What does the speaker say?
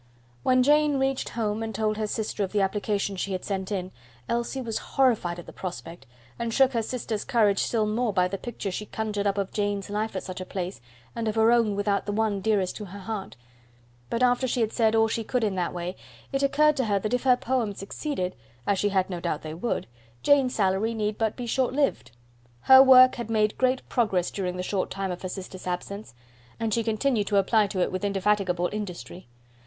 When Jane reached home and told her sister of the application she had sent in, Elsie was horrified at the prospect, and shook her sister's courage still more by the pictures she conjured up of Jane's life at such a place, and of her own without the one dearest to her heart; but after she had said all she could in that way, it occurred to her that if her poems succeeded, as she had no doubt they would, Jane's slavery need but be shortlived. Her work had made great progress during the short time of her sister's absence, and she continued to apply to it with indefatigable industry.